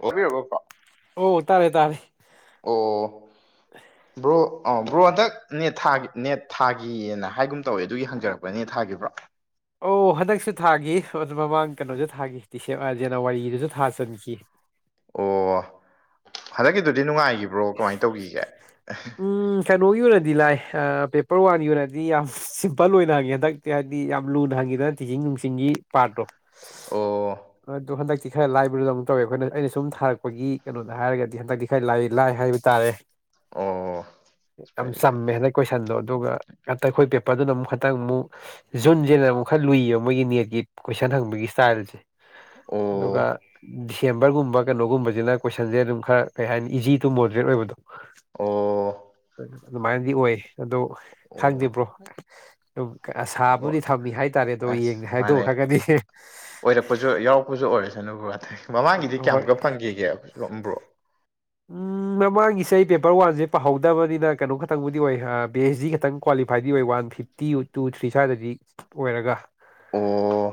ꯑꯣꯔꯦꯕ ꯄ ꯑꯣ ꯇꯥꯔꯦ ꯇꯥꯔꯦ ꯑꯣ ꯕ꯭ꯔꯣ ꯑꯥꯎ ꯕ꯭ꯔꯣ ꯍꯟꯗꯛ ꯅꯦꯠ ꯊꯥꯒꯤ ꯅꯦꯠ ꯊꯥꯒꯤꯌꯦꯅ ꯍꯥꯏꯒꯨꯝ ꯇꯧꯋꯦ ꯑꯗꯨꯒꯤ ꯍꯪꯖꯔꯛꯄꯅꯦ ꯅꯦꯠ ꯊꯥꯒꯤꯕ꯭ꯔꯣ ꯑꯣ ꯍꯟꯗꯛꯁꯨ ꯊꯥꯒꯤ ꯑꯗꯨ ꯃꯃꯥꯡ ꯀꯩꯅꯣꯖꯨ ꯊꯥꯒꯤ ꯗꯤꯁꯦ ꯑꯥ ꯖꯅꯋꯥꯔꯤꯗꯨꯖꯨ ꯊꯥꯖꯟꯈꯤ ꯑꯣ ꯍꯟꯗꯛꯀꯤꯗꯨꯗꯤ ꯅꯨꯡꯉꯥꯏꯒꯤꯕ꯭ꯔꯣ ꯀꯃꯥꯏꯅ ꯇꯧꯒꯤꯒꯦ ꯎꯝ ꯀꯩꯅꯣꯒꯤ ꯑꯣꯏꯔꯗꯤ ꯂꯥꯏ ꯑꯥ ꯄꯦꯄꯔ ꯋꯥꯟꯒꯤ ꯑꯣꯏꯅꯗꯤ ꯌꯥꯝ ꯁꯤꯝꯄꯜ ꯑꯣꯏꯅ ꯍꯪꯉꯦ ꯍꯟꯗꯛꯇꯤ ꯍꯥꯏꯗꯤ ꯌꯥꯝ ꯂꯨꯅ ꯍꯪꯉꯤ ꯑꯗꯨꯅ ꯇꯤꯆꯤꯡ ꯅꯨꯡꯆꯤꯡꯒꯤ ꯄꯥꯔꯠꯇꯣ ꯑꯣ ꯑꯗꯨ ꯍꯟꯗꯛ ꯇꯤ ꯈꯔ ꯂꯥꯏꯕꯗꯧꯅ ꯇꯧꯋꯦ ꯑꯩꯈꯣꯏꯅ ꯑꯩꯅ ꯁꯨꯝ ꯊꯥꯛꯄꯒꯤ ꯀꯅꯣꯗ ꯍꯥꯏꯔꯒꯗꯤ ꯍꯟꯗꯛꯇꯤ ꯈꯔ ꯂꯥꯏ ꯂꯥꯏ ꯍꯥꯏꯕ ꯇꯥꯔꯦ ꯑꯣ ꯌꯥꯝ ꯐꯩ ꯐꯩ ꯆꯝꯃꯦ ꯍꯟꯗꯛ ꯀꯣꯏꯁꯟꯗꯣ ꯑꯗꯨꯒ ꯍꯟꯇꯛ ꯑꯩꯈꯣꯏ ꯄꯦ ꯄꯔ ꯗꯨꯅ ꯑꯃꯨꯛ ꯈꯛꯇꯛ ꯃꯨꯛ ꯖꯨꯟꯖꯤꯅ ꯑꯃꯨꯛ ꯈꯔ ꯂꯨꯏꯌꯦꯕ ꯃꯣꯏꯒꯤ ꯅꯦꯠꯀꯤ ꯀꯣꯏꯁꯟ ꯍꯪꯕꯒꯤ ꯏꯁꯇꯥꯏꯜꯖꯦ ꯑꯗꯨꯒ ꯑꯣ ꯗꯤꯁꯦꯝꯕꯔꯒꯨꯝꯕ ꯀꯩꯅꯣꯒꯨꯝꯕꯖꯤꯅ ꯀꯣꯏꯁꯟꯖꯦ ꯑꯗꯨꯝ ꯈꯔ ꯀꯩ ꯍꯥꯏꯅꯤ ꯏꯖꯤ ꯇꯨ ꯃꯣꯗ꯭ꯔꯦꯠ ꯑꯣꯏꯕꯗꯣ ꯑꯣ ꯑꯗꯨꯃꯥꯏꯅꯗꯤ ꯑꯣꯏꯌꯦ ꯑꯗꯣ ꯈꯪꯗꯦ ꯑꯣ ꯕ꯭ꯔꯣ ꯑꯗꯨꯝ ꯑꯁꯥꯕꯨꯗꯤ ꯑꯣ ꯊꯝꯃꯤ ꯍꯥꯏꯇꯥꯔꯦ ꯑꯗꯣ ꯌꯦꯡ ꯍꯥꯏꯗꯣꯛꯑ ꯈꯪꯉꯅꯤ ꯑꯣꯏꯔꯛꯄꯖꯨ ꯌꯥꯎꯔꯛꯄꯖꯨ ꯑꯣꯏꯔꯁꯅꯨ ꯚꯥꯏ ꯃꯃꯥꯡꯒꯤꯗꯤ ꯍꯣꯏ ꯀꯌꯥꯃꯨꯛꯀ ꯐꯪꯈꯤꯒꯦ ꯕ꯭ꯔꯣ ꯎꯝ ꯃꯃꯥꯡꯒꯤ ꯁꯦ ꯑꯩ ꯄꯦꯄꯔ ꯋꯥꯟꯖꯦ ꯄꯥꯍꯧꯗꯕꯅꯤꯅꯥ ꯀꯅꯣ ꯈꯇꯪꯕꯨꯗꯤ ꯑꯣꯏꯌꯦ ꯑꯥ ꯄꯤ ꯑꯩꯆ ꯗꯤ ꯈꯇꯪ ꯀ꯭ꯋꯥꯂꯤꯐꯥꯏꯗꯤ ꯑꯣꯏ ꯋꯥꯟ ꯐꯤꯐꯇꯤ ꯇꯨ ꯊ꯭ꯔꯤ ꯁꯥꯏꯗꯗꯤ ꯑꯣꯏꯔꯒ ꯑꯣ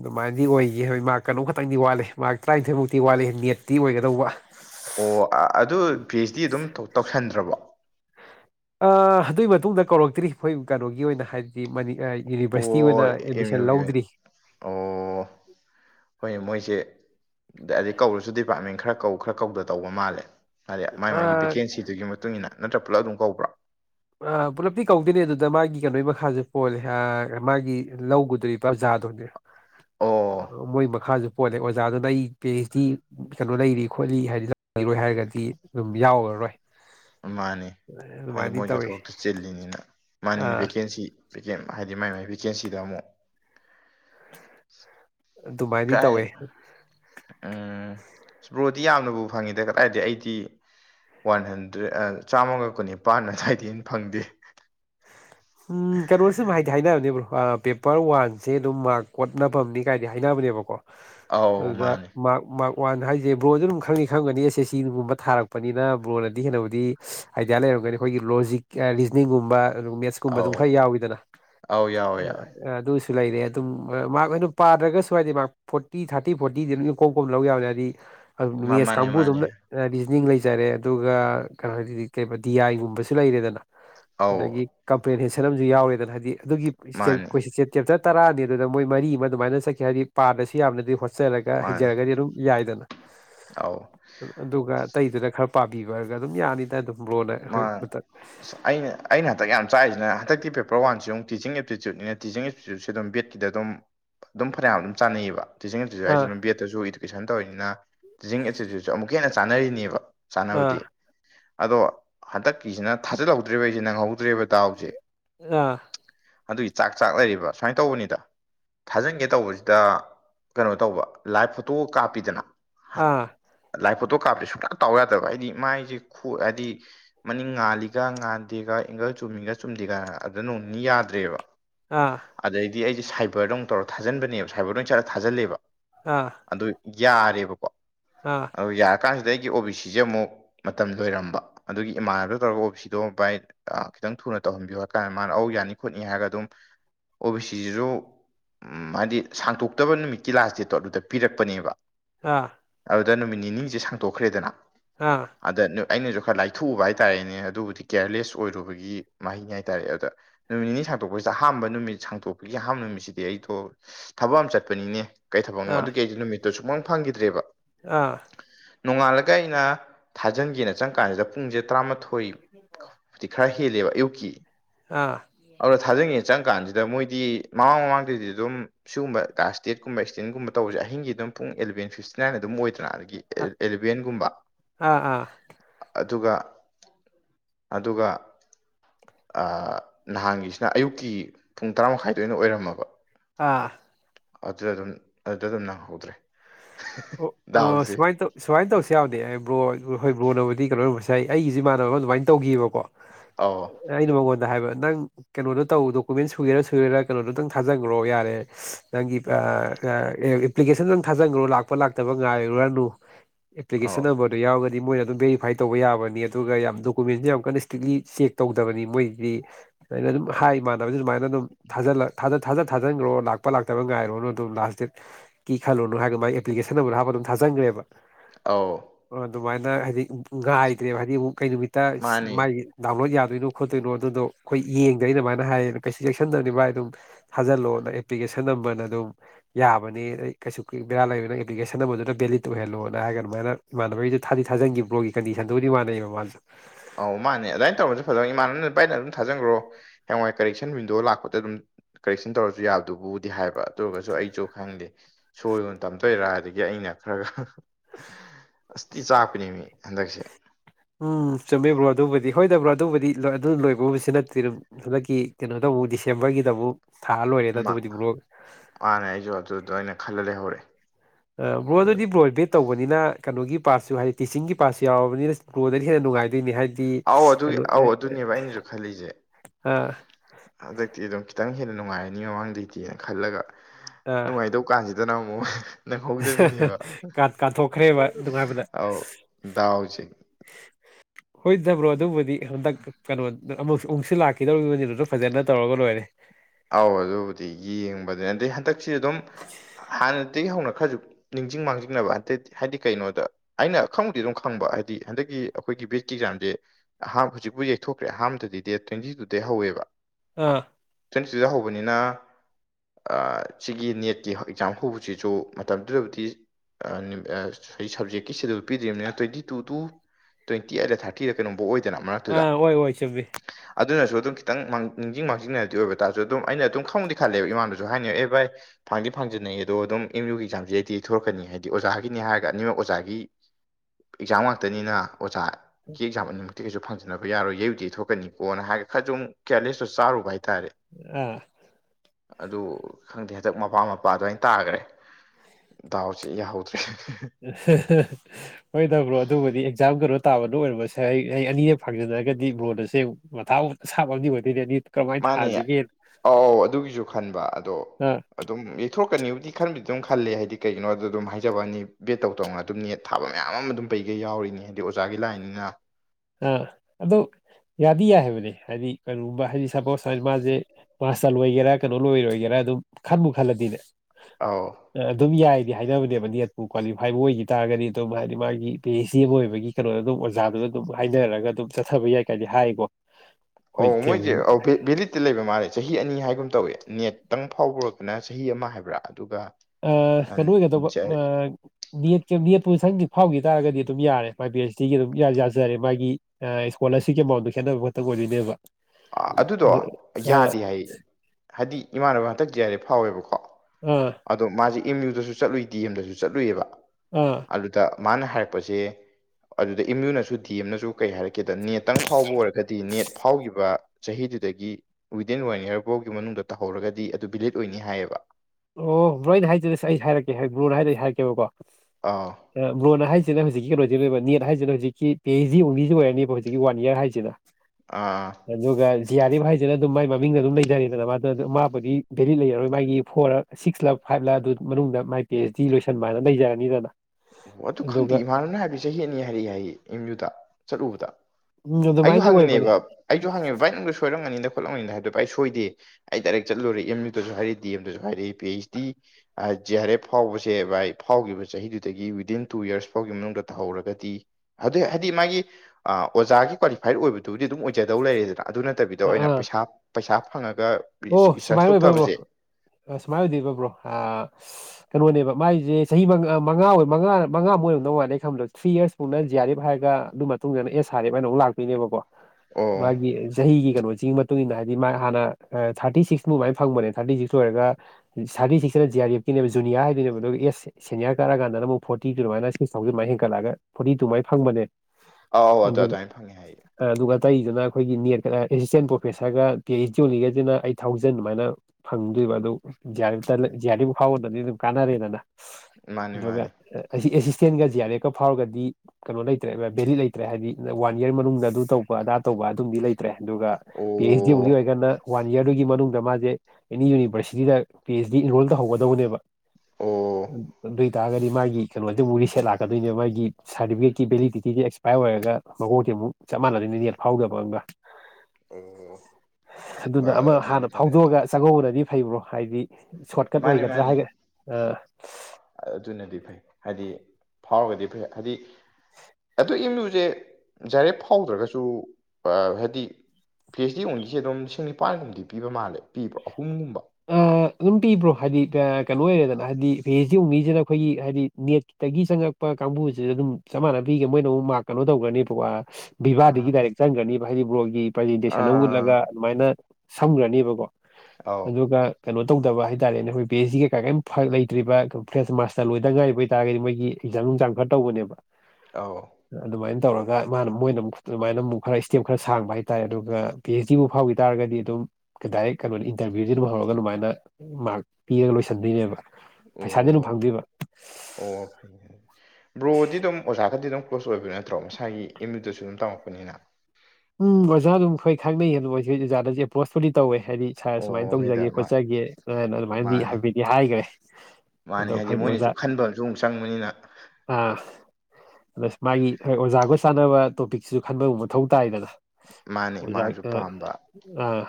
ꯑꯗꯨꯃꯥꯏꯅꯗꯤ ꯑꯣꯏꯒꯤ ꯍꯣꯏ ꯃꯥꯛ ꯀꯅꯣ ꯈꯇꯪꯗꯤ ꯋꯥꯠꯂꯤ ꯃꯥꯔꯛ ꯇꯔꯥꯏꯟꯊꯣꯏꯃꯨꯛꯇꯤ ꯋꯥꯠꯂꯤ ꯅꯦꯠꯇꯤ ꯑꯣꯏꯒꯗꯧꯕ ꯑꯣ ꯑꯗꯨ ꯄꯤ ꯑꯩꯁ ꯗꯤ ꯑꯗꯨꯝ ꯇꯧꯁꯟꯗ꯭ꯔꯕꯣ ꯑꯥ ꯑꯗꯨꯏ ꯃꯇꯨꯡꯗ ꯀꯧꯔꯛꯇ꯭ꯔꯤ ꯍꯣꯏ ꯀꯩꯅꯣꯒꯤ ꯑꯣꯏꯅ ꯍꯥꯏꯕꯗꯤ ꯃꯅꯤ ꯌꯨꯅꯤꯚꯔꯁꯤꯇꯤ ꯑꯣ ꯑꯣꯏꯅ ꯑꯦꯝ ꯑꯦꯗꯃꯤꯁꯟ ꯌꯨꯒꯤ ꯂꯧꯗ꯭ꯔꯤ ꯑꯣ ꯍꯣꯏ ꯃꯣꯏꯁꯦ ꯗꯥꯢꯔꯦꯛ ꯀꯧꯔꯁꯨ ꯗꯤꯄꯥꯔꯠꯃꯦꯟ ꯈꯔ ꯀꯧ ꯈꯔ ꯀꯧꯗ ꯇꯧꯕ ꯃꯥꯜꯂꯦ ꯍꯥꯏꯗꯤ ꯃꯥꯏ ꯃꯥꯒꯤ ꯑꯥ ꯚꯦꯀꯦꯟꯁꯤꯗꯨꯒꯤ ꯃꯇꯨꯡꯏꯟꯅ ꯅꯠꯇ꯭ꯔ ꯄꯨꯂꯞ ꯑꯗꯨꯝ ꯀꯧꯕ꯭ꯔꯥ ꯄꯨꯂꯞꯇꯤ ꯀꯧꯗꯣꯏꯅꯦ ꯑꯗꯨꯗ ꯃꯥꯒꯤ ꯀꯩꯅꯣꯒꯤ ꯃꯈꯥꯁꯨ ꯄꯣꯜꯂꯦ ꯑꯥ ꯃꯥꯒꯤ ꯂꯧꯒꯗꯣꯔꯤꯕ ꯖꯥ ꯑꯣ [unintelligible] ꯃꯣꯏ ꯃꯈꯥꯥꯖꯨ ꯜꯂꯦ ꯑꯣꯖꯥꯗꯨꯅ ꯑꯩ ꯄꯤ ꯑꯩꯆ ꯗꯤ ꯀꯩꯅꯣ ꯂꯩꯔꯤ ꯈꯣꯠꯂꯤ ꯍꯥꯏꯗꯤ ꯂꯩꯔꯣꯏ ꯍꯥꯏꯔꯒꯗꯤ ꯑꯗꯨꯝ ꯌꯥꯎꯔꯔꯣꯏ ꯑꯗꯨꯃꯥꯏꯗꯤ ꯊꯕꯛꯇꯣ ꯆꯤꯜꯂꯤꯅꯤꯅ ꯃꯥꯅꯤꯅ ꯚꯦꯀꯦꯟꯁꯤ ꯍꯥꯏꯗꯤ ꯃꯥꯏ ꯃꯥꯏ ꯚꯦꯀꯦꯟꯁꯤꯗ ꯑꯃꯨꯛ [inaudible] ꯀꯥꯏ ꯇꯧꯋꯦ ꯎꯝ ꯏꯁ ꯕ꯭ꯔꯣꯗꯤ ꯌꯥꯝꯅꯕꯨ ꯐꯪꯉꯤꯗ ꯀꯗꯥꯏꯗꯩ ꯑꯩꯗꯤ ꯋꯥꯟ ꯍꯟꯗ꯭ꯔꯦꯠ ꯆꯥꯝꯃꯒ ꯀꯨꯟꯅꯤꯄꯥꯟ ꯑꯗꯨ꯭ꯋꯥꯏꯗꯩ ꯍꯦꯟꯅ ꯐꯪꯗꯦ [inaudible] ꯎꯝ ꯀꯩꯅꯣꯁꯤꯝ ꯍꯥꯏꯗꯤ ꯍꯥꯏꯅꯕꯅꯦ ꯕ꯭ꯔꯣ ꯄꯦꯄꯔ ꯋꯥꯟꯁꯦ ꯑꯗꯨꯝ ꯃꯥꯔꯛ ꯀꯣꯠꯅꯐꯝꯅꯤ ꯀꯥꯏꯗꯤ ꯍꯥꯏꯅꯕꯅꯦꯕꯀꯣ ꯑꯧ ꯑꯗꯨꯗ ꯃꯥꯅꯦ ꯃꯥꯛ ꯃꯥꯛ ꯋꯥꯟ ꯍꯥꯏꯁꯦ ꯕ꯭ꯔꯣꯁꯨ ꯑꯗꯨꯝ ꯈꯪꯗꯤ ꯈꯪꯉꯝꯒꯅꯤ ꯁꯦ ꯁꯤ ꯅꯨꯡꯒꯨꯝꯕ ꯊꯥꯔꯛꯄꯅꯤꯅ ꯕ꯭ꯔꯣꯅꯕꯨꯗꯤ ꯍꯦꯟꯅꯕꯨꯗꯤ ꯑꯥꯏꯗꯤꯌꯥ ꯂꯩꯔ ꯑꯗꯨꯒ ꯑꯈꯣꯏꯒꯤ ꯂꯣꯖꯤꯛ ꯔꯤꯖꯅꯤꯡꯒꯨꯝꯕ ꯑꯗꯨ ꯃꯦꯠꯁ ꯀꯨꯝꯕ ꯑꯧ ꯑꯗꯨꯝ ꯈꯔ ꯌꯥꯎꯋꯤꯗꯅ ꯑꯧ ꯌꯥꯎꯋꯦ ꯌꯥꯎꯋꯦ ꯑꯗꯨ ꯂꯩꯔꯦ ꯑꯗꯨꯝ ꯃꯥꯛ ꯑꯗꯨꯝ ꯄꯥꯗ꯭ꯔꯒꯁꯨ ꯍꯥꯏꯗꯤ ꯃꯥꯔꯛ ꯐꯣꯔꯇꯤ ꯊꯥꯔꯇꯤ ꯐꯣꯔꯇꯤꯗꯤ ꯑꯗꯨꯝ ꯏꯀꯣꯝ ꯀꯣꯝ ꯂꯧ ꯌꯥꯕꯅꯦ ꯍꯥꯏꯗꯤ ꯑꯗꯨꯝ ꯃꯥ ꯃꯦꯠꯁ ꯃꯥꯅꯦ ꯃꯥꯅꯦ ꯀꯥꯡꯕꯨꯗꯨꯝꯅ ꯍꯥꯏꯗꯤ ꯅꯤꯡ ꯂꯩꯖꯔꯦ ꯑꯗꯨꯒ ꯀꯩꯕ ꯍꯥꯏꯗꯤ ꯀꯩ ꯗꯤꯌꯥꯏꯒꯨꯝꯕꯁꯨ ꯂꯩꯔꯦꯗꯅ ꯑꯥꯎ ꯀꯝꯄ꯭ꯂꯦꯟ ꯍꯦꯟꯁꯟ ꯑꯃꯁꯨ ꯌꯥꯎꯔꯦꯗꯅ ꯍꯥꯏꯗꯤ ꯑꯗꯨꯒꯤ ꯃꯥꯅꯤ ꯆꯦꯞꯇꯔ ꯇꯔꯥꯗꯤ ꯑꯗꯨꯗ ꯃꯣꯏ ꯃꯔꯤ ꯑꯃ ꯑꯗꯨꯃꯥꯏꯅ ꯆꯠꯀꯦ ꯍꯥꯏꯔꯗꯤ ꯄꯥꯗꯁꯨ ꯌꯥꯝꯠꯅꯤ ꯍꯣꯠꯆꯔꯒ ꯃꯥꯅꯤ ꯍꯩꯖꯔꯒꯗꯤ ꯑꯗꯨꯝ ꯌꯥꯏꯗꯅ ꯑꯧ ꯑꯗꯨꯒ ꯑꯇꯩꯗꯨꯅ ꯈꯔ ꯄꯥꯕꯤꯔꯒ ꯑꯗꯨꯝ ꯌꯥꯅꯤꯗ ꯑꯗꯨꯝ ꯕ꯭ꯔꯣꯅ ꯃꯥ ꯑꯩꯈꯣꯏ ꯃꯇꯝ ꯑꯩꯅ ꯑꯩꯅ ꯍꯟꯇꯛ ꯌꯥꯝ ꯆꯥꯛꯏꯁꯤꯅ ꯍꯟꯗꯛꯇꯤ ꯄꯦꯄꯔ ꯋꯥꯟꯁꯤ ꯌꯦꯡꯉꯨ ꯏꯟꯁꯇꯤꯇ꯭ꯌꯨꯠꯅꯤꯅ ꯇꯤꯆꯤꯡ ꯑꯦꯕꯇꯤꯌꯨꯠꯁꯨ ꯑꯗꯨꯝ ꯕꯠꯀꯤꯗ ꯑꯗꯨꯝ ꯑꯗꯨꯝ ꯐꯅꯌꯥꯝ ꯑꯗꯨꯝ ꯆꯥꯅꯩꯌꯦꯕ ꯇꯤꯆꯤꯡ ꯑꯦꯕꯇꯤꯇ꯭ꯌꯨꯠ ꯑꯥ ꯍꯥꯏꯁꯤꯖꯤ ꯑꯗꯨꯝ ꯕꯦꯗꯠꯇꯁꯨ ꯏꯗꯨꯀꯦꯁꯟ ꯇꯧꯔꯤꯅꯤꯅ ꯇꯤꯆꯤꯡ ꯑꯦꯕꯇꯤꯇ꯭ꯌꯨꯠꯁꯦ ꯑꯃꯨꯛꯀ ꯍꯦꯟꯅ ꯆꯥꯅꯔꯤꯅꯦꯕ ꯑꯥ ꯆꯥꯅꯕꯗꯤ ꯑꯗꯣ ꯍꯟꯗꯛꯀꯤꯁꯤꯅ ꯊꯥꯖꯤꯜꯍꯧꯗ꯭ꯔꯦꯕ ꯑꯩꯁꯦ ꯅꯪꯍꯧꯗ꯭ꯔꯦꯕ ꯗꯥꯎꯁꯦ ꯑꯥ ꯑꯗꯨꯒꯤ ꯆꯥꯛ ꯆꯥꯛ ꯂꯩꯔꯤꯕ ꯁꯨꯃꯥꯏꯅ ꯇꯧꯕꯅꯤꯗ ꯊꯥꯖꯤꯟꯒꯦ ꯇꯧꯕꯁꯤꯗ ꯀꯩꯅꯣ ꯇꯧꯕ ꯂꯥꯏꯚ ꯐꯣꯇꯣ ꯀꯥꯞꯄꯤꯗꯅ ꯑꯥ ꯂꯥꯏ ꯐꯣꯠꯇꯣ ꯀꯥꯞꯄꯁꯦ ꯁꯨꯛꯇꯥ ꯇꯥꯎ ꯌꯥꯗꯕ ꯍꯥꯏꯗꯤ ꯃꯥꯏꯁꯦ ꯈꯨ ꯍꯥꯏꯗꯤ ꯃꯅꯤꯡ ꯉꯥꯜꯂꯤꯒ ꯉꯥꯟꯗꯦꯒ ꯑꯦꯡꯒꯜ ꯆꯨꯝꯃꯤꯒ ꯆꯨꯝꯗꯦꯒ ꯑꯗꯨꯗ ꯅꯣꯡ ꯅꯤꯅꯤ ꯌꯥꯗ꯭ꯔꯦꯕ ꯑꯥ ꯑꯗꯨ ꯑꯩꯁꯦ ꯁꯥꯏꯕꯔꯗ ꯇꯧꯔ ꯊꯥꯖꯟꯕꯅꯦꯕ ꯁꯥꯏꯕꯔꯗ ꯑꯣꯏꯅ ꯆꯠꯂ ꯊꯥꯖꯜꯂꯦꯕ ꯑꯥ ꯑꯗꯨ ꯌꯥꯔꯦꯕꯀꯣ ꯑꯥ ꯑꯗꯨ ꯌꯥ ꯀꯥꯟꯁꯤꯗ ꯑꯩꯒꯤ ꯑꯣ ꯕꯤ ꯁꯤꯁꯦ ꯑꯃꯨꯛ ꯃꯇꯝ ꯂꯣꯏꯔꯝꯕ ꯑꯗꯨꯒꯤ ꯏꯃꯥꯟꯅꯕꯗ ꯇꯧꯔꯒ ꯑꯣꯕꯤ ꯁꯤꯗꯣ ꯚꯥꯏ ꯈꯤꯇꯪ ꯊꯨꯅ ꯇꯧꯍꯟꯕꯤꯌꯨ ꯍꯥꯏ ꯀꯥꯟꯗ ꯃꯥꯅ ꯑꯧ ꯌꯥꯅꯤ ꯈꯣꯠꯅꯤ ꯍꯥꯏꯔꯒ ꯑꯗꯨꯝ ꯑꯣ ꯕꯤ ꯁꯤꯁꯤꯁꯨ ꯍꯥꯏꯗꯤ ꯁꯥꯡꯇꯣꯛꯇꯕ ꯅꯨꯃꯤꯠꯀꯤ ꯂꯥꯁ ꯗꯦꯠꯇꯣ ꯑꯗꯨꯗ ꯄꯤꯔꯛꯄꯅꯦꯕ ꯑꯥ ꯑꯗꯨꯗ ꯅꯨꯃꯤꯠ ꯅꯤꯅꯤꯁꯦ ꯁꯤꯡꯇꯣꯛꯈ꯭ꯔꯦꯗꯅ ꯑꯥ ꯑꯗ ꯑꯩꯅꯁꯨ ꯈꯔ ꯂꯥꯏ ꯑꯊꯨꯕ ꯍꯥꯏꯇꯥꯥꯔꯦꯅꯦ ꯑꯗꯨꯕꯨꯗꯤ ꯀꯤꯌꯔꯂꯦꯁ ꯑꯣꯏꯔꯨꯕꯒꯤ ꯃꯍꯩꯅꯤ ꯍꯥꯏꯇꯥꯔꯦ ꯑꯗ ꯅꯨꯃꯤꯠ ꯅꯤꯅꯤ ꯁꯥꯡꯇꯣꯛꯄꯁꯤꯗ ꯑꯍꯥ ꯕ ꯅꯨꯃꯤꯠ ꯁꯥꯡꯇꯣꯛꯄꯒꯤ ꯑꯍꯥꯟꯕ ꯅꯨꯃꯤꯠꯁꯤꯗꯤ ꯑꯩꯗꯣ ꯊꯕꯛ ꯑꯃ ꯆꯠꯄꯅꯤꯅꯦ ꯀꯩ ꯊꯕꯛꯅꯣ ꯑꯥ ꯑꯥ ꯑꯥ ꯑꯗꯨ ꯀꯩꯗꯤ ꯅꯨꯃꯤꯠꯇꯣ ꯁꯨꯛꯐ ꯐꯪꯈꯤꯗ꯭ꯔꯦꯕ ꯑꯥ ꯅꯣꯡꯉꯥꯜꯂꯒ ꯑꯩꯅ ꯊꯥꯖꯤꯟꯒꯦꯅ ꯆꯪ ꯀꯥꯟꯁꯤꯗ ꯄꯨꯡꯁꯦ ꯇꯔꯥꯃꯥꯊꯣꯏꯗꯤ ꯈꯔ ꯍꯦꯜꯂꯦꯕ ꯌꯨꯀꯤ ꯑꯗꯨꯅ ꯊꯥꯖꯤꯟꯒꯦꯅ ꯆꯪꯀꯥꯟꯁꯤꯗ ꯃꯣꯏꯗꯤ ꯃꯃꯥꯡ ꯃꯃꯥꯡꯗꯗꯤ ꯑꯗꯨꯝ ꯁꯤꯒꯨꯝꯕ ꯂꯥꯁ ꯗꯦꯠꯀꯨꯝꯕ ꯑꯦꯛꯁꯇꯦꯟꯒꯨꯝꯕ ꯇꯧꯕꯁꯦ ꯑꯍꯤꯡꯒꯤ ꯑꯗꯨꯝ ꯄꯨꯡ ꯑꯦꯂꯚꯦꯟ ꯐꯤꯐꯇꯤ ꯅꯥꯏꯟ ꯑꯗꯨꯝ ꯑꯣꯏꯗꯅ ꯑꯗꯒꯤ ꯑꯦꯂꯚꯦꯟꯒꯨꯝꯕ ꯑꯥ ꯑꯥ ꯑꯗꯨꯒ ꯑꯗꯨꯒ ꯅꯍꯥꯟꯒꯤꯁꯤꯅ ꯑꯌꯨꯛꯀꯤ ꯄꯨꯡ ꯇꯔꯥꯃꯥꯏꯗ ꯑꯣꯏꯅ ꯑꯣꯏꯔꯝꯃꯕ ꯑꯥ ꯑꯗꯨ ꯑꯗꯨꯝ ꯑꯗꯨꯗ ꯑꯗꯨꯝ ꯅꯪꯍꯧꯗ꯭ꯔꯦ ꯑꯣ ꯑꯣ ꯗꯥꯎꯁꯦ ꯁꯨꯃꯥꯏ ꯇ ꯁꯨꯃꯥꯏ ꯇꯧꯁꯤ ꯌꯥꯎꯕꯅꯦ ꯕ꯭ꯔꯣ ꯍꯣꯏ ꯕ꯭ꯔꯣꯅꯕꯨꯗꯤ ꯀꯩꯅꯣ ꯑꯣꯏꯔꯝꯕꯁꯨꯥꯏ ꯑꯩꯒꯤꯁꯤ ꯃꯃꯥꯟꯅꯕ ꯑꯃ ꯑꯗꯨꯃꯥꯏꯅ ꯇꯧꯈꯤꯕꯑꯕꯀꯣ ꯑꯧ ꯑꯩꯅ ꯃꯉꯣꯟꯗ ꯑꯗ ꯍꯥꯏꯕ ꯅꯪ ꯀꯩꯅꯣꯗꯣ ꯇꯧ ꯗꯣꯀꯨꯃꯦꯟ ꯁꯨꯒꯦꯔꯥ ꯁꯨꯨꯔꯦꯔꯥ ꯀꯩꯅꯣꯗꯣ ꯅꯪ ꯊꯥꯖꯟꯈ꯭ꯔꯣ ꯌꯥꯔꯦ ꯅꯪꯒꯤ ꯑꯦꯄ꯭ꯂꯤꯀꯦꯁꯟ ꯊꯥꯖꯤꯟꯈ꯭ꯔꯣ ꯂꯥꯛꯄ ꯂꯥꯛꯇꯕ ꯉꯥꯏꯔꯨꯔꯅ ꯑꯦꯄꯂꯤꯀꯦꯁꯟ ꯑꯧ ꯅꯝꯕ꯭ꯔ ꯌꯥꯎꯔꯒ ꯃꯣꯏꯅ ꯑꯗꯨꯝ ꯕꯦꯔꯤꯐꯥꯏ ꯇꯧꯕ ꯌꯥꯕꯅꯤ ꯑꯗꯨꯒ ꯌꯥꯝ ꯗꯣꯀꯨꯃꯦꯟꯁꯁꯨ ꯌꯥꯝ ꯀꯟꯅ ꯏꯁꯇ꯭ꯔꯤꯛꯂꯤ ꯆꯦꯛ ꯇꯧꯗꯕꯅꯤ ꯃꯣꯏꯗꯤ ꯑꯩꯅ ꯑꯗꯨꯝ ꯑꯧ ꯍꯥꯏ ꯏꯃꯥꯟꯅꯕꯁꯨ ꯑꯗꯨꯃꯥꯏꯅ ꯑꯗꯨꯝ ꯊꯥꯖꯜꯂ ꯊꯥ ꯊꯥꯖꯟ ꯊꯥꯖꯤꯟꯈ꯭ꯔꯣ ꯂꯥꯛꯄ ꯂꯥꯛꯇꯕ ꯉꯥꯏꯔꯨꯔꯣꯅꯣ ꯑꯗꯨꯝ ꯂꯥꯁ ꯗꯦꯠ ꯀꯤ ꯈꯜꯂꯨꯅꯨ ꯍꯥꯏꯒ ꯃꯥꯒꯤ ꯑꯦꯄꯂꯤꯀꯦꯁꯟ ꯅꯝꯕꯔ ꯍꯥꯞꯄ ꯑꯗꯨꯝ ꯊꯥꯖꯟꯒ꯭ꯔꯦꯕ ꯑꯧ ꯑꯗꯨꯃꯥꯏꯅ ꯍꯥꯏꯗꯤ ꯉꯥꯏꯗ꯭ꯔꯦꯕ ꯍꯥꯏꯗꯤ ꯑꯃꯨꯛ ꯀꯩ ꯅꯨꯃꯤꯠꯇ ꯃꯥꯅꯤ ꯃꯥꯒꯤ ꯗꯥꯎꯟꯂꯣꯗ ꯌꯥ ꯗꯣꯏꯅꯣ ꯈꯣꯠꯇꯣꯏꯅꯣ ꯑꯗꯨꯗꯣ ꯑꯩꯈꯣꯏ ꯌꯦꯡꯗ꯭ꯔꯦ ꯑꯗꯨꯃꯥꯏꯅ ꯍꯥꯏꯌꯦꯅ ꯀꯩꯁꯨ ꯆꯦꯛꯁꯟꯗꯕꯅꯤ ꯚꯥꯏ ꯑꯗꯨꯝ ꯊꯥꯖꯤꯜꯂꯣꯅ ꯑꯦꯄ꯭ꯂꯤꯀꯦ ꯁꯟ ꯅꯝꯕꯔꯅ ꯑꯗꯨꯝ ꯌꯥꯕꯅꯤ ꯀꯩꯁꯨ ꯕꯦꯔꯥ ꯂꯩꯔꯣꯢ ꯑꯗꯨ ꯑꯦꯄ꯭ꯂꯤꯀꯦꯁꯟ ꯑꯃꯗꯨꯗ ꯚꯦꯂꯤꯠ ꯑꯣꯏꯍꯜꯂꯣꯅ ꯍꯥꯏꯔ ꯑꯗꯨꯃꯥꯏꯅ ꯏꯃꯥꯟꯅꯕꯩꯗꯤ ꯊꯥꯗꯤ ꯊꯥꯟꯒꯤ ꯕ꯭ꯔꯣꯒꯤ ꯀꯟꯗꯤꯁꯟꯗꯨꯒꯗꯤ ꯃꯥꯟꯅꯩꯕ ꯃꯥꯖꯨ ꯑꯧ ꯃꯥꯟꯅꯦ ꯑꯗꯨꯃꯥꯏꯅ ꯇꯧꯔꯁꯨ ꯐꯗꯧ ꯏꯃꯥꯟꯅꯕꯅ ꯚꯥꯏ ꯑꯗꯨꯝ ꯊꯥꯖꯟꯈ꯭ꯔꯣ ꯍꯌꯦꯡꯋꯥꯏ ꯀꯔꯦꯛꯁꯟ ꯋꯤꯟꯗꯣ ꯂꯥꯛꯄꯗ ꯑꯗꯨꯝ ꯀꯔꯦꯛꯁꯟ ꯇꯧꯔꯁꯨ ꯌꯥꯕꯗꯨꯕꯨꯗꯤ ꯍꯥꯏꯕ ꯑꯗꯨꯔꯒꯁꯨ ꯑꯩꯁꯨ ꯈꯪꯗꯦ ꯁꯣꯏꯌꯣꯅ ꯇꯝ ꯇꯧꯏꯔꯥ ꯑꯗꯒꯤ ꯑꯩꯅ ꯈꯔ ꯑꯁ ꯊꯤ ꯆꯥꯛꯄꯤꯅꯦꯃꯤ ꯍꯟꯗꯛꯁꯦ ꯑꯗꯨꯝꯕꯨꯗꯤ ꯍꯣꯏꯗ ꯕ꯭ꯔꯣ ꯑꯗꯨꯝꯕꯨꯗꯤ ꯑꯗꯨ ꯂꯣꯏꯕꯕꯨꯁꯨ ꯅꯠꯇ꯭ꯔꯤꯗ ꯑꯗꯨꯝ ꯍꯟꯗꯛꯀꯤ ꯀꯩꯅꯣꯗꯃꯨꯛ ꯗꯤꯁꯦꯝꯕꯔꯒꯤꯗ ꯑꯃꯨꯛ ꯊꯥ ꯂꯣꯏꯔꯦꯗ ꯃꯥ ꯑꯗꯨꯕꯨꯗꯤ ꯕ꯭ꯔꯣ ꯃꯥꯅꯦ ꯑꯩꯁꯨ ꯑꯗꯨꯗꯣ ꯑꯩꯅ ꯈꯜꯂ ꯂꯩꯍꯧꯔꯦ ꯕ꯭ꯔꯣ ꯑꯗꯨ ꯑꯗꯨꯗꯤ ꯕ꯭ꯔꯣ ꯕꯦꯠ ꯇꯧꯕ ꯅ ꯀꯩꯅꯣꯒꯤ ꯄꯥꯔꯠꯁꯨ ꯍꯥꯏꯗꯤ ꯇꯤꯆꯤꯡꯒꯤ ꯄꯥꯔꯠꯁꯨ ꯌꯥꯎꯔꯕꯅꯤꯅ ꯕ꯭ꯔꯣꯗꯒꯤ ꯍꯦꯟꯅ ꯅꯨꯡꯉꯥꯏꯗꯣꯏꯅꯤ ꯍꯥꯏꯗꯤ ꯑꯥꯎ ꯑꯗꯨꯒꯤ ꯀꯩꯅꯣ ꯑꯧ ꯑꯗꯨꯅꯦꯕ ꯑꯩꯅꯁꯨ ꯈꯜꯂꯤꯁꯦ ꯑꯥ ꯍꯟꯗꯛꯇꯤ ꯑꯗꯨꯝ ꯈꯤꯇꯪ ꯍꯦꯟꯅ ꯅꯨꯡꯉꯥꯏꯔꯅꯤ ꯃꯃꯥꯡꯗꯩꯗꯤꯅ ꯈꯜꯂꯒ ꯅꯨꯡꯉꯥꯏꯗꯧ ꯀꯥꯟꯁꯤꯗꯅ ꯑꯃꯨꯛ ꯅꯪꯍꯧꯗꯕꯤꯅꯦꯕ ꯀꯥꯟ ꯀꯥꯟꯊꯣꯛꯈ꯭ꯔꯦꯕ ꯅꯨꯡꯉꯥꯏꯕꯗ ꯑꯧ ꯗꯥꯎꯁꯦ [inaudible] ꯍꯣꯏꯗ ꯕ꯭ꯔꯣ ꯑꯗꯨꯕꯨꯗꯤ ꯍꯟꯗꯛ ꯀꯩꯅꯣ ꯑꯃꯨꯛ ꯑꯃꯨꯛꯁꯨ ꯂꯥꯛꯈꯤꯗꯧꯔꯤꯕꯅꯤꯅ ꯗꯨꯝ ꯐꯖꯅ ꯇꯧꯔꯒ ꯂꯣꯏꯔꯦ ꯑꯧ ꯑꯗꯨꯕꯨꯗꯤ ꯌꯦꯡꯕꯅꯦ ꯑꯗꯩ ꯍꯟꯗꯛꯁꯤ ꯑꯗꯨꯝ ꯍꯥꯟꯅꯗꯩ ꯍꯧꯅ ꯈꯖꯨ ꯅꯤꯡꯁꯤꯡ ꯃꯥꯡꯖꯤꯡꯅꯕ ꯍꯟꯗ ꯍꯥꯏꯗꯤ ꯀꯩꯅꯣꯗ ꯑꯩꯅ ꯈꯪꯕꯗꯤ ꯑꯗꯨꯝ ꯈꯪꯕ ꯍꯥꯏꯗꯤ ꯍꯟꯗꯛꯀꯤ ꯑꯩꯈꯣꯏ ꯑꯩꯒꯤ ꯕꯦꯀꯤ ꯑꯦꯛꯖꯥꯝꯖꯦ ꯍꯧꯖꯤꯛꯄꯨ ꯌꯩꯊꯣꯛꯈ꯭ꯔꯦ ꯑꯍꯥꯟꯕꯗꯗꯤ ꯗꯦꯠ ꯇ꯭ꯋꯦꯟꯇꯤ ꯇꯨꯗꯩ ꯍꯧꯋꯦꯕ ꯑꯥ ꯁꯤꯗ ꯍꯧꯕꯅꯤꯅ ꯑ ꯁꯤꯒꯤ ꯅꯦꯠꯀꯤ ꯑꯦꯛꯖꯥꯝ ꯍꯧꯕꯁꯤꯁꯨ ꯃꯇꯝꯗꯨꯗꯕꯨꯗꯤ ꯑ ꯑ ꯁꯕꯖꯦꯛꯀꯤ ꯁꯦꯗꯨꯜ ꯄꯤꯗ꯭ꯔꯤꯕꯅꯤꯅ ꯇ꯭ꯋꯦꯟꯇꯤ ꯇꯨ ꯇꯨ ꯇ꯭ꯋꯦꯟꯇꯤ ꯑꯩꯠꯔ ꯊꯥꯔꯇꯤꯔ ꯀꯩꯅꯣꯝ ꯑꯣꯏꯗꯅ ꯃꯔꯛꯇꯨꯗ ꯑꯥ ꯑꯣꯏ ꯑꯣꯏ ꯆꯨꯝꯃꯤ ꯑꯗꯨꯅꯁꯨ ꯑꯗꯨꯝ ꯈꯤꯇꯪ ꯅꯤꯡꯁꯤꯡ ꯃꯥꯡꯅꯤꯡꯅꯔꯗꯤ ꯑꯣꯏꯕ ꯁꯨ ꯑꯗꯨꯝ ꯑꯩꯅ ꯑꯗꯨꯝ ꯈꯟꯕꯨꯗꯤ ꯈꯜꯂꯦꯕ ꯏꯃꯥꯡꯗꯁꯨ ꯍꯥꯏꯅꯤ ꯑꯦ ꯚꯥꯏ ꯐꯪꯗꯤ ꯐꯪꯖꯟꯅꯩ ꯑꯗꯣ ꯑꯗꯨꯝ ꯑꯦꯝ ꯌꯨꯒꯤ ꯑꯦꯛꯖꯥꯝꯁꯦ ꯑꯩꯗꯤ ꯄꯤꯊꯣꯔꯛꯀꯅꯤ ꯍꯥꯏꯗꯤ ꯑꯣꯖꯥꯒꯤꯅꯤ ꯍꯥꯏꯔꯒ ꯑꯅꯤꯃꯛ ꯑꯣꯖꯥꯒꯤ ꯑꯦꯛꯖꯥꯝ ꯉꯥꯛꯇꯅꯤꯅ ꯑꯣꯖꯥ ꯒꯤ ꯑꯦꯛꯖꯥꯝ ꯑꯅꯤ ꯇꯤ ꯀꯩꯁꯨ ꯐꯪꯖꯟꯅꯕ ꯌꯥꯔꯣꯏ ꯌꯩꯕꯨꯗꯤ ꯌꯩꯊꯣꯛꯀꯅꯤꯀꯣꯅ ꯍꯥꯏꯔꯒ ꯈꯔꯖꯨꯃꯨꯛ ꯀꯦꯌꯥꯔꯂꯦꯁꯁꯨ ꯆꯥꯔꯨꯕ ꯍꯥꯏꯇꯥꯔꯦ ꯑꯥ ꯑꯗꯨ ꯈꯪꯗꯦ ꯍꯟꯗꯛ ꯃꯄꯥ ꯃꯄꯥ ꯑꯗꯨꯃꯥꯏꯅ ꯇꯥꯈ꯭ꯔꯦ ꯗꯥꯎꯁꯦ ꯌꯥꯍꯧꯗ꯭ꯔꯦ ꯍꯣꯏꯗ ꯕ꯭ꯔꯣ ꯑꯗꯨꯕꯨꯗꯤ ꯑꯦꯛꯖꯥꯝ ꯀꯩꯅꯣ ꯇꯥꯕ ꯑꯣꯏꯔꯝꯕꯁꯨ ꯌꯥꯏ ꯑꯩ ꯑꯅꯤ ꯍꯦꯛ ꯐꯥꯡꯖꯟꯅꯔꯒꯗꯤ ꯕ꯭ꯔꯣꯗꯁꯨ ꯍꯌꯦꯡ ꯃꯊꯥꯃꯨꯛ ꯑꯁꯥꯕꯃꯗꯤ ꯑꯣꯢꯗꯣꯢꯅꯦ ꯃꯥꯅꯦ ꯑꯧ ꯑꯧ ꯑꯗꯨꯒꯤꯖꯨ ꯈꯟꯕ ꯑꯗꯣ ꯑꯥ ꯑꯗꯨꯝ ꯊꯣꯔꯛꯀꯅꯤꯕꯨꯗꯤ ꯈꯟꯕꯨꯗꯤ ꯑꯗꯨꯝ ꯈꯜꯂꯦ ꯍꯥꯏꯗꯤ ꯀꯩꯒꯤꯅꯣꯗ ꯑꯗꯨꯝ ꯍꯥꯏꯖꯕ ꯋꯥꯅꯤ ꯕꯦꯠ ꯇꯧ ꯇꯧꯅ ꯑꯗꯨꯝ ꯅꯦꯠ ꯊꯥꯕ ꯃꯌꯥꯝ ꯑꯃ ꯑꯗꯨꯝ ꯄꯩꯒꯩ ꯌꯥꯎꯔꯤꯅꯤ ꯍꯥꯢꯗꯤ ꯑꯣꯖꯥꯒꯤ ꯂꯥꯏꯟꯅꯤꯅ ꯑ ꯑꯗꯨ ꯌꯥꯗꯤ ꯌꯥꯏ ꯍꯥꯏꯕꯅꯦ ꯍꯥꯏꯗꯤ ꯀꯩꯅꯒꯨꯝꯕ ꯍꯥꯏꯗꯤ ꯁꯄꯣꯁ ꯃꯥꯁꯦ ꯃꯥꯁꯇꯔ ꯂꯣꯏꯒꯦꯔꯥ ꯀꯩꯅꯣ ꯂꯣꯏꯔꯣꯏꯒꯦꯔꯥ ꯑꯗꯨꯝ ꯈꯟꯕꯨ ꯈꯂꯗꯤꯅꯦ ꯑꯧ ꯑꯗꯨꯝ ꯌꯥꯏ ꯗꯤ ꯍꯥꯏꯅꯕꯅꯦꯕ ꯅꯦꯠꯄꯨ ꯀ꯭ꯋꯥꯂꯤꯐꯥꯏꯕꯨ ꯑꯣꯏꯈꯤ ꯇꯥꯔꯒꯗꯤ ꯑꯗꯨꯝ ꯍꯥꯏꯗꯤ ꯃꯥꯒꯤ ꯄꯤ ꯑꯩꯆ ꯗꯤ ꯑꯃ ꯑꯣꯏꯕꯒꯤ ꯀꯩꯅꯣꯗꯣ ꯑꯗꯨꯝ ꯑꯣꯖꯥꯗꯨꯅ ꯑꯗꯨꯝ ꯑꯗꯨꯝ ꯍꯥꯏꯅꯔꯒ ꯑꯗꯨꯝ ꯆꯠꯊꯕ ꯌꯥꯏ ꯀꯥꯏꯗꯤ ꯍꯥꯏꯀꯣ ꯑꯩꯈꯣꯏ ꯑꯣ ꯃꯣꯏꯖꯦ ꯊꯦꯡꯕꯒꯤ ꯑꯣ ꯚꯦ ꯚꯦꯂꯤꯠꯇꯤ ꯂꯩꯕ ꯃꯥꯜꯂꯦ ꯆꯍꯤ ꯑꯅꯤ ꯍꯥꯏ ꯕꯝ ꯇꯧꯋꯦ ꯅꯦꯠꯇꯪ ꯐꯥꯎꯕ ꯑꯣꯏꯔꯒꯅ ꯆꯍꯤ ꯑꯃ ꯍꯥꯏꯕ꯭ꯔꯥ ꯑꯗꯨꯒ ꯑ ꯀꯩꯖꯣ ꯑꯟ ꯑꯣꯏꯒꯗꯕꯥ ꯖꯦ ꯑꯥ ꯅꯦꯠ [unintelligible] ꯐꯥꯎꯈꯤ ꯇꯥꯔꯒꯗꯤ ꯑꯗꯨꯝ ꯌꯥꯔꯦ ꯃꯥꯏ ꯄꯤ ꯑꯩꯆ ꯗꯤꯒꯤ ꯑꯗꯨꯝ ꯌꯖꯔꯦ ꯃꯥꯒꯤ ꯏꯁꯀꯣꯂꯔꯁꯤꯞꯀꯤ ꯑꯦꯃꯥꯎꯟꯗꯣ ꯈꯦꯠꯅꯕ ꯈꯛꯇꯪ ꯑꯣꯏꯗꯣꯏꯅꯦꯕ ꯑꯗꯨꯗꯣ ꯑꯥ ꯌꯥꯗꯦ ꯍꯥꯏ ꯍꯥꯏꯗꯤ ꯏꯃꯥꯟꯅꯕ ꯍꯟꯇꯛ ꯖꯤ ꯑꯔ ꯑꯐ ꯐꯥꯎꯋꯦꯕꯀꯣ ꯑꯥ ꯑꯗꯣ ꯃꯥꯁꯦ ꯑꯦꯝ ꯌꯨꯗꯁꯨ ꯆꯠꯂꯨꯏ ꯗꯤ ꯑꯦꯝꯗꯁꯨ ꯆꯠꯂꯨꯏꯑꯕ ꯑꯥ ꯑꯗꯨꯗ ꯃꯥꯅ ꯍꯥꯏꯔꯛꯄꯁꯦ ꯑꯗꯨꯗ ꯏꯝꯌꯨꯅꯁꯨ ꯗꯤ ꯑꯦꯝꯅꯁꯨ ꯀꯩ ꯍꯥꯏꯔ ꯀꯦꯗ ꯅꯦꯠꯇꯪ ꯐꯥꯎꯕ ꯑꯣꯏꯔꯒꯗꯤ ꯅꯦꯠ ꯐꯥꯎꯈꯤꯕ ꯆꯍꯤꯗꯨꯗꯒꯤ ꯋꯤꯗꯤꯟ ꯋꯥꯟ ꯏꯌꯔ ꯐꯥꯎꯒꯤ ꯃꯅꯨꯡꯗ ꯇꯧꯍꯧꯔꯒꯗꯤ ꯑꯗꯨ ꯚꯤꯂꯤꯠ ꯑꯣꯏꯅꯤ ꯍꯥꯏꯌꯦꯕ ꯑꯣ ꯕ꯭ꯔꯣ ꯑꯩ ꯍꯥꯏꯖꯦꯅ ꯑꯩ ꯍꯥꯏꯔꯛꯀꯦ ꯕ꯭ꯔꯣꯅ ꯍꯥꯏꯗ ꯑꯩ ꯍꯥꯏꯔꯛꯀꯦꯕꯀꯣ ꯑꯥ ꯕ꯭ꯔꯣꯅ ꯍꯥꯏꯁꯤꯅ ꯍꯧꯖꯤꯛꯀꯤ ꯀꯩꯅꯣꯁꯤ ꯅꯦꯇ ꯍꯥꯏꯁꯤꯅ ꯍꯧꯖꯤꯛꯀꯤ ꯄꯤ ꯑꯩꯆ ꯗꯤ ꯑꯣꯡꯂꯤꯁꯤ ꯑꯣꯏꯔꯅꯦꯕ ꯍꯧꯖꯤꯛꯀꯤ ꯋꯥꯟ ꯏꯌꯥꯔ ꯍꯥꯏꯁꯤꯅ ꯑꯥ ꯑꯗꯨꯒ ꯖꯤ ꯑꯥꯔ ꯑꯥꯐ ꯍꯥꯏꯁꯤꯅ ꯑꯗꯨꯝ ꯃꯒꯤ ꯃꯃꯤꯡꯗ ꯑꯗꯨꯝ ꯂꯩꯖꯔꯦꯗꯅ ꯃꯥꯗ ꯑꯗ ꯃꯥꯕꯨꯗꯤ ꯚꯦꯂꯤꯠ ꯂꯩꯔꯔꯣꯏ ꯃꯥꯒꯤ ꯐꯣꯔꯗ ꯁꯤꯛꯁ ꯂꯥ ꯐꯥꯏꯚ ꯂꯥ ꯑꯗꯨ ꯃꯅꯨꯡꯗ ꯃꯥꯏ ꯄꯤ ꯑꯩꯆ ꯗꯤ ꯂꯣꯏꯁꯟꯕꯅ ꯂꯩꯖꯔꯅꯤꯗꯅ ꯑꯣ ꯑꯗꯨ ꯈꯪꯗꯦ ꯑꯗꯨꯒ ꯏꯨꯃꯟꯅꯕ ꯍꯥꯏꯕꯗ ꯆꯍꯤ ꯑꯅꯤ ꯍꯥꯏꯔꯛ ꯍꯥꯏꯌꯦ ꯑꯦꯝ ꯌꯨꯗ ꯆꯠꯂꯨꯕꯗ ꯎꯝ ꯑꯩꯁꯨ ꯑꯗꯨꯃꯥꯏꯅꯗꯤ ꯑꯣꯏꯕꯅꯦ ꯍꯪꯉꯤꯅꯦꯕ ꯑꯩꯁꯨ ꯍꯪꯉꯤꯕ ꯚꯥꯏ ꯅꯪꯗꯣ ꯁꯣꯏꯔꯝꯒꯅꯤꯗ ꯚꯥꯏ ꯑꯩ ꯁꯣꯏꯗꯦ ꯑꯩ ꯗꯥꯏꯔꯦꯛ ꯆꯠꯂꯨꯔꯦ ꯑꯦꯝ ꯌꯨꯗꯁꯨ ꯍꯥꯏꯔꯛꯏ ꯗꯤ ꯑꯦꯝꯗꯁꯨ ꯍꯥꯏꯔꯛꯑꯦ P H D J R F ꯐꯥꯎꯕꯁꯦ ꯚꯥꯏ ꯐꯥꯎꯈꯤꯕ ꯆꯍꯤꯗꯨꯗꯒꯤ ꯋꯤꯗꯤꯟ ꯇꯨ ꯏꯌꯥꯔꯁ ꯐꯥꯎꯒꯤ ꯃꯅꯨꯡꯗ ꯇꯧꯍꯧꯔꯒꯗꯤ ꯑꯗꯨ ꯍꯥꯏꯗꯤ ꯃꯥꯒꯤ ꯑꯥ ꯑꯣꯖꯥꯒꯤ ꯀ꯭ꯋꯥꯂꯤꯐꯥꯏꯠ ꯑꯣꯏꯕꯗꯨꯗꯤ ꯑꯗꯨꯝ ꯑꯣꯏꯖꯗꯧ ꯂꯩꯔꯦꯗꯅ ꯑꯗꯨ ꯅꯠꯇꯕꯤꯗ ꯑꯥ ꯑꯣꯏꯅ ꯑꯥ ꯄꯩꯁꯥ ꯄꯩꯁꯥ ꯐꯪꯉ ꯑꯣ ꯁꯨꯃꯥꯏꯅ ꯑꯣꯏꯕ ꯕ꯭ꯔꯣ ꯁꯨꯃꯥꯏꯅ ꯑꯣꯏꯗꯣꯏꯕ ꯕ꯭ꯔꯣ ꯀꯩꯅꯣꯅꯦꯕ ꯃꯥꯏꯁꯦ ꯆꯍꯤ ꯃꯉꯥ ꯃꯉꯥ ꯃꯨꯛ ꯑꯣꯏꯔꯝꯗꯧ ꯃꯥꯜꯂꯦ ꯑꯩꯅ ꯈꯟꯕꯗ ꯊ꯭ꯔꯤ ꯏꯌꯔꯥꯁ ꯐꯥꯎꯅ ꯖꯤ ꯑꯥꯔ ꯑꯦꯐ ꯍꯥꯏꯔꯒ ꯑꯗꯨ ꯃꯇꯨꯡꯗꯟꯅ ꯑꯦꯁ ꯑꯥꯔ ꯑꯦꯄ ꯑꯅ ꯑꯃꯨ ꯂꯥꯛꯇꯣꯏꯅꯦꯕꯀꯣ ꯑꯣ ꯃꯥꯒꯤ ꯆꯍꯤꯒꯤ ꯀꯩꯅꯣꯁꯤꯒꯤ ꯃꯇꯨꯡꯏꯟꯅ ꯍꯥꯏꯗꯤ ꯃꯥ ꯍꯥꯟꯅ ꯊꯥꯔꯇꯤ ꯁꯤꯛꯁ ꯃꯨꯛ ꯑꯗꯨꯃꯥꯏꯅ ꯐꯪꯕꯅꯦ ꯊꯥꯔꯇꯤ ꯁꯤꯛꯁ ꯂꯣꯏꯔꯒ ꯊꯥꯔꯇꯤ ꯁꯤꯛꯁ ꯁꯤꯅ ꯖꯤ ꯑꯥ ꯑꯦꯐ ꯀꯤꯅꯦꯕ ꯖꯨꯅꯤꯌꯥ ꯍꯥꯏꯗꯨꯅꯦꯕ ꯑꯗꯨ ꯑꯦꯁ ꯁꯦꯅꯤꯌꯥꯔ ꯀꯥꯔꯛ ꯀꯥꯟꯗ ꯑꯃꯨꯀ ꯐꯣꯔꯇꯤꯇꯨ ꯑꯗꯨꯃꯥꯏꯅ ꯁꯤꯛꯁ ꯊꯥꯎꯖꯟꯃꯥꯏꯅ ꯍꯦꯟꯒꯠꯂꯛꯑꯒ ꯐꯣꯔꯇꯤꯇꯨ ꯃꯥꯏ ꯐꯪꯕꯅꯦ ꯑꯥꯎ ꯑꯗ ꯑꯗꯨ ꯑꯗꯨꯃꯥꯏꯅ ꯐꯪꯉꯦ ꯍꯥꯏꯌꯦ ꯑꯗꯨꯒ ꯑꯇꯩꯗꯨꯅ ꯑꯈꯣꯏꯒꯤ ꯅꯦꯠꯀ ꯑꯦꯁꯤꯁꯇꯦꯟ ꯄ꯭ꯔꯣꯐꯦꯁꯔꯒ P H D eight thousand ꯑꯗꯨꯃꯥꯏꯅ ꯐꯪꯗꯣꯏꯕ ꯑꯗꯨ ꯖꯤ ꯑꯥꯔ ꯑꯥꯐ ꯐꯥꯎ ꯑꯗꯨꯝ ꯀꯥꯟꯅꯔꯦꯗꯅ ꯃꯥꯅꯦ ꯑꯗꯨꯒ ꯃꯥꯅꯦ ꯇꯦꯟꯒ ꯖꯤ ꯑꯥꯔ ꯑꯦꯒꯀ ꯐꯥꯎꯔꯒꯗꯤ ꯀꯩꯅꯣ ꯂꯩꯇ꯭ꯔꯦ ꯕꯦꯂꯤꯠ ꯂꯩꯇ꯭ꯔꯦ ꯍꯥꯏꯗꯤ ꯋꯥꯟ ꯏꯌꯥꯔ ꯃꯅꯨꯡꯗ ꯑꯗꯨ ꯇꯧꯕ ꯑꯗꯥ ꯇꯧꯕ ꯑꯗꯨꯝꯗꯤ ꯂꯩꯇ꯭ꯔꯦ ꯑꯗꯨꯒ ꯄꯤ ꯑꯩꯆ ꯗꯤ ꯑꯣꯟꯂꯤ ꯑꯣ ꯑꯣꯏ ꯋꯥꯟ ꯌꯔꯗꯨꯒꯤ ꯃꯅꯨꯡꯗ ꯃꯥꯁꯦ ꯑꯦꯅꯤ ꯌꯨꯅꯤꯚꯔꯁꯤꯇꯤꯗ ꯄꯤ ꯑꯩꯆ ꯗꯤ ꯏꯟꯔꯣꯜ ꯇꯧꯍꯧꯗꯧꯕꯅꯦꯕ ꯑꯣ ꯑꯗꯨꯏ ꯇꯥꯔꯒꯗꯤ ꯃꯥꯒꯤ ꯀꯩꯅꯣꯁꯦ ꯑꯃꯨꯛ ꯔꯤꯁꯦꯠ ꯂꯥꯛꯀꯗꯣꯏꯅꯦꯕ ꯃꯥꯒꯤ ꯁꯥꯔꯇꯤꯐꯤꯀꯦꯠꯀꯤ ꯕꯦꯂꯤꯗꯤꯇꯤ ꯑꯦꯛꯁꯄꯥꯌꯔ ꯑꯣꯏꯔꯒ ꯃꯀꯣꯛꯇꯩ ꯑꯃꯨꯛ ꯆꯞ ꯃꯥꯟꯅꯗꯣꯏꯅꯤ ꯅꯦꯠ ꯐꯥꯎꯗꯕ ꯑꯃꯒ ꯑꯣ ꯍꯣꯏ ꯑꯗꯨꯅ ꯑꯃ ꯑꯗꯨꯃꯥꯏꯅ ꯍꯥꯟꯅ ꯈꯜꯂꯦ ꯑꯝꯇ ꯐꯥꯎꯗꯣꯛꯑꯒ ꯆꯡꯍꯧꯕꯅꯗꯤ ꯐꯩꯕꯣ ꯍꯥꯏꯗꯤ ꯁꯣꯔꯠꯀꯠ ꯃꯥꯅꯦ ꯑꯣꯏꯒꯗ꯭ꯔꯥ ꯃꯥꯅꯦ ꯍꯥꯏꯒ ꯑꯗꯨꯅꯗꯤ ꯐꯩ ꯍꯥꯏꯗꯤ ꯐꯥꯎꯔꯒꯗꯤ ꯐꯩ ꯍꯥꯏꯗꯤ ꯑꯗꯨ ꯑꯦꯝꯌꯨꯖꯦ ꯖꯤ ꯑꯔ ꯑꯦꯞ ꯐꯥꯎꯗ꯭ꯔꯒꯁꯨ ꯑꯥ ꯍꯥꯏꯗꯤ ꯄꯤ ꯑꯩꯁ ꯑꯣꯡꯂꯤꯁꯦ ꯑꯗꯨꯝ ꯂꯤꯁꯤꯡ ꯅꯤꯄꯥꯟꯒꯨꯝꯕꯗꯤ ꯄꯤꯕ ꯃꯥꯜꯂꯦ ꯄꯤ꯭ꯔꯣ ꯑ ꯑꯗꯨꯝꯄꯤꯕ꯭ꯔꯣ ꯍꯥꯏꯗꯤ ꯑ ꯀꯩꯅꯣ ꯑꯣꯏꯔꯦꯗꯅ ꯍꯥꯏꯗꯤ ꯄꯤ ꯍꯩꯁꯗꯤ ꯑꯣꯡꯂꯤꯖꯤꯅ ꯑꯩꯈꯣꯏꯒꯤ ꯍꯥꯏꯗꯤ ꯅꯦꯠꯇꯒꯤ ꯆꯪꯉꯛꯄ ꯀꯥꯡꯕꯨꯁꯤꯗ ꯑꯗꯨꯝ ꯆꯞ ꯃꯥꯟꯅ ꯄꯤꯒ ꯃꯣꯏꯅ ꯑꯃꯨꯛ ꯃꯥ ꯀꯩꯅꯣ ꯇꯧꯈ꯭ꯔꯅꯤ ꯕꯕꯥ ꯑ ꯑꯥ ꯚꯤꯕꯥꯗꯒꯤ ꯗꯥꯏꯔꯦꯛ ꯆꯪꯈ꯭ꯔꯅꯤꯕ ꯍꯥꯏꯗꯤ ꯕ꯭ꯔꯣꯒꯤ ꯄ꯭ꯔꯖꯦꯟꯇꯦꯁꯟ ꯑꯃ ꯑꯥ ꯎꯠꯂꯒ ꯑꯗꯨꯃꯥꯏꯅ ꯁꯝꯈ꯭ꯔꯅꯦꯕꯀꯣ ꯑꯧ ꯑꯗꯨꯒ ꯀꯩꯅꯣ ꯇꯧꯗꯕ ꯍꯥꯏꯇꯥꯔꯅꯦ ꯑꯩꯈꯣꯏ ꯕꯤ ꯑꯩꯁ ꯗꯤ ꯀꯩꯥ ꯀ ꯀꯔꯤꯝ ꯐ ꯂꯩꯇ꯭ꯔꯤꯕ ꯐ꯭ꯔꯦꯁ ꯃꯥꯁꯇꯔ ꯂꯣꯏꯗ ꯉꯥꯏꯔꯤꯕ ꯑꯣꯇꯥꯔꯒꯗꯤ ꯃꯣꯏꯒꯤ ꯑꯦꯛꯖꯝ ꯑꯦꯖꯝ ꯈꯔ ꯇꯧꯕꯅꯦꯕ ꯑꯧ ꯑꯗꯨꯃꯥꯏ ꯇꯧꯔꯒ ꯃꯥꯅ ꯃꯣꯏꯅ ꯑꯃꯨꯛ ꯑꯗꯨꯃꯥꯏꯅ ꯑꯃꯨꯛ ꯈꯔ ꯏꯁꯇꯦꯞ ꯈꯔ ꯁꯥꯡꯕ ꯍꯥꯏꯇꯥꯔꯦ ꯑꯗꯨꯒ ꯄꯤ ꯑꯩꯆ ꯗꯤꯕꯨ ꯐꯥꯎꯈꯤ ꯇꯥꯔꯒꯗꯤ ꯑꯗꯨꯝ ꯗꯥꯏꯔꯦꯛ ꯀꯩꯅꯣꯅꯤ ꯏꯟꯇꯔꯚꯤꯌꯨꯗꯒꯤ ꯍꯧꯔꯒ ꯑꯗꯨꯃꯥꯏꯅ ꯃꯥꯔꯛ ꯄꯤꯔꯒ ꯂꯣꯏꯁꯟꯗꯣꯏꯅꯦꯕ ꯑꯣ ꯑꯣ ꯐꯩ ꯕ꯭ꯔꯣꯗꯤ ꯑꯗꯨꯝ ꯑꯣꯖꯥ ꯒꯗꯤ ꯑꯗꯨꯝ ꯀꯣꯁ ꯑꯣꯏꯕ ꯅꯠꯇ꯭ꯔꯣ ꯃꯁꯥꯒꯤ ꯑꯦꯝ ꯌꯨꯗꯁꯨ ꯑꯗꯨꯝ ꯇꯝꯃꯛꯄꯅꯤꯅ ꯎꯝ ꯑꯣꯖꯥ ꯑꯗꯨꯝ ꯈꯪꯅꯩꯌꯦ ꯑꯣꯖꯥꯗꯁꯨ ꯑꯦꯄ꯭ꯔꯣꯁꯄꯨꯗꯤ ꯇꯧꯋꯦ ꯍꯥꯏꯗꯤ ꯁꯥꯔ ꯁꯨꯃꯥꯏꯅ ꯑꯣ ꯍꯣꯏꯗ ꯇꯧꯖꯒꯦ ꯃꯥ ꯈꯣꯠꯆꯒꯦ ꯑꯅ ꯑꯗꯨꯃꯥꯏꯅꯗꯤ ꯃꯥꯅꯤ ꯍꯥꯏꯐꯦꯠꯇꯤ ꯍꯥꯏꯈ꯭ꯔꯦ ꯃꯥꯅꯤ ꯑꯗꯣ ꯍꯥꯏꯗꯤ ꯈꯪꯗꯦ ꯑꯣꯖꯥ ꯃꯣꯏꯅꯁꯨ ꯈꯟꯕ ꯑꯃꯁꯨ ꯑꯃꯨꯛ ꯆꯪꯕꯅꯤꯅ ꯑꯥ ꯑꯗ ꯃꯥꯒꯤ ꯑꯣꯖꯥꯒ ꯆꯥꯟꯅꯕ ꯇꯣꯄꯤꯛꯁꯤꯁꯨ ꯈꯟꯕ ꯑꯃꯨꯛ ꯃꯊꯧ ꯇꯥꯏꯗꯅ ꯃꯥꯅꯤ ꯍꯧ ꯌꯥ ꯃꯥꯅꯁꯨ ꯑ ꯄꯥꯝꯕ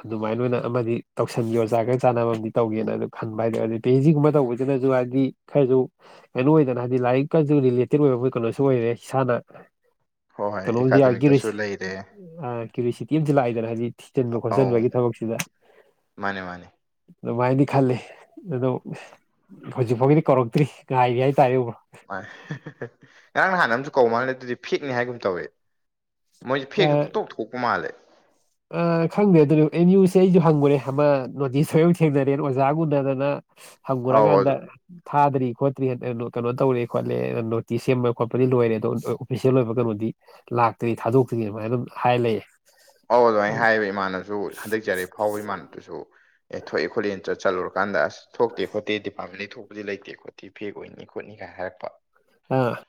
ꯑꯗꯨꯃꯥꯏꯅ ꯑꯣꯏꯅ ꯑꯃꯗꯤ ꯇꯧꯁꯟꯒꯦ ꯑꯣꯖꯥꯒ ꯆꯥꯟꯅꯕ ꯑꯃꯗꯤ ꯇꯧꯒꯦꯅ ꯑꯩꯅ ꯈꯟꯕ ꯍꯥꯏꯗ ꯑꯗꯩ ꯄꯦꯍꯩꯁꯗꯤꯒꯨꯝꯕ ꯇꯧꯕꯁꯤꯅꯁꯨ ꯍꯥꯏꯗꯤ ꯈꯔꯁꯨ ꯀꯩꯅꯣ ꯑꯣꯏꯗꯅ ꯍꯥꯏꯗꯤ ꯂꯥꯏꯔꯤꯛꯀꯔꯁꯨ ꯔꯤꯂꯦꯇꯦꯠ ꯑꯣꯏꯕ ꯀꯩꯅꯣꯁꯨ ꯑꯣꯏꯔꯦ ꯏꯁꯥꯅ ꯍꯣꯏ ꯍꯣꯏ ꯀꯩꯅꯣꯝꯗꯤ ꯑꯦꯀꯥꯗꯃꯤꯛꯇꯁꯨ ꯑꯔꯀꯨꯁꯤ ꯂꯩꯔꯦ ꯀꯦꯔꯨꯁꯤꯇꯤ ꯑꯃꯁꯨ ꯂꯥꯛꯏꯗꯅ ꯍꯥꯏꯗꯤ ꯊꯤꯖꯤꯟꯕ ꯑꯧ ꯈꯣꯠꯆꯟꯕꯒꯤ ꯊꯕꯛꯁꯤꯗ ꯃꯥꯅꯦ ꯃꯥꯅꯦ ꯑꯗꯨꯃꯥꯏꯅꯗꯤ ꯈꯜꯂꯤ ꯑꯗꯣ ꯍꯧꯖꯤꯛꯐꯥꯎꯒꯤꯗꯤ ꯀꯧꯔꯛꯇ꯭ꯔꯤ ꯉꯥꯏꯔꯤ ꯍꯥꯏꯇꯥꯔꯦ ꯕ꯭ꯔꯣ ꯉꯔꯥꯡ ꯅꯍꯥꯟꯅ ꯑꯃꯁꯨ ꯀꯧꯕ ꯃꯥꯜꯂꯦ ꯑꯗꯨꯗꯤ ꯐꯦꯛꯅꯤ ꯍꯥꯏꯒꯨꯝ ꯇꯧꯏ ꯃꯣꯏꯁꯦ ꯐꯦꯛꯁꯨ ꯄꯨꯡꯊꯣꯛ ꯊꯣꯛꯄ ꯃꯥꯜꯂꯦ ꯑ ꯈꯪꯗꯦ ꯑꯗꯨꯗ ꯑꯦꯝ ꯌꯨꯁꯦ ꯑꯩꯁꯨ ꯍꯪꯉꯨꯔꯦ ꯑꯃ ꯅꯣꯇꯤꯁ ꯂꯣꯏꯃꯛ ꯊꯦꯡꯅꯔꯦ ꯑꯣꯖꯥꯒ ꯎꯨꯅꯗꯅ ꯑꯧ ꯍꯪꯉꯨꯔꯀꯥꯟꯗ ꯑꯗꯨ ꯊꯥꯗ꯭ꯔꯤ ꯈꯣꯠꯇ꯭ꯔꯤ ꯀꯩꯅꯣ ꯇꯧꯔꯦ ꯈꯣꯠꯂꯦ ꯅꯣꯇꯤꯁ ꯁꯦꯝꯕ ꯈꯣꯠꯄꯗꯤ ꯂꯣꯏꯔꯦ ꯑꯗꯣ ꯑꯣꯐꯤꯁꯦꯜ ꯑꯣꯏꯕ ꯀꯩꯅꯣꯗꯤ ꯂꯥꯛꯇ꯭ꯔꯤ ꯊꯥꯗꯣꯛꯇ꯭ꯔꯤ ꯑꯗꯨꯃꯥꯏꯅ ꯑꯗꯨꯝ ꯍꯥꯏ ꯂꯩ ꯑꯧ ꯑꯗꯨꯃꯥꯏꯅ ꯍꯥꯏꯌꯦꯕ ꯏꯃꯥꯅꯕꯁꯨ ꯍꯟꯗꯛ ꯖꯤꯔꯑꯦꯐ ꯐꯎꯕ ꯏꯃꯥꯟꯕꯁꯨ ꯑꯦ ꯊꯣꯛꯏ ꯈꯣꯠꯂꯤ ꯆꯠꯂꯨꯔꯀꯥꯟꯗ ꯑꯁ ꯊꯣꯛꯇꯦ ꯈꯣꯠꯇꯦ ꯗꯤꯄꯥꯠꯃꯦꯟꯗꯩ ꯊꯣꯛꯄꯗꯤ ꯂꯩꯇꯦ ꯈꯣꯠꯇꯤ ꯐꯦꯛ ꯑꯣꯏꯅꯤ ꯈꯣꯠꯅꯤ ꯀꯥꯏ ꯍꯥꯏꯔꯛꯄ ꯑ